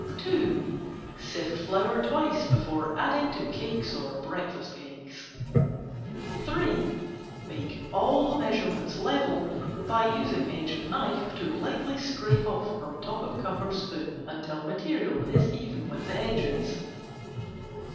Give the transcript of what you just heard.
2. Sift flour twice before adding to cakes or breakfast cakes. 3. Make all measurements level by using edge of knife to lightly scrape off from top of cup or spoon until material is even with the edges.